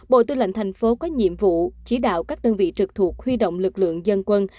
bộ tư lệnh thành phố có nhiệm vụ chỉ đạo các đơn vị trực thuộc huy động lực lượng dân quân